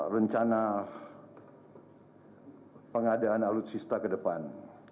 rencana pengadaan alutsista ke depan